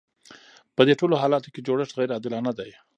په دې ټولو حالاتو کې جوړښت غیر عادلانه دی.